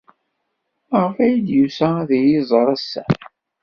Maɣef ay d-yusa ad iyi-iẓer ass-a?